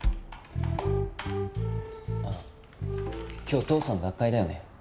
ああ今日父さん学会だよね？